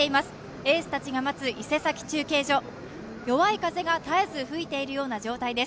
エースたちが待つ伊勢崎中継所、弱い風が絶えず吹いているような状況です。